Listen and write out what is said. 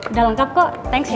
udah lengkap kok thanks ya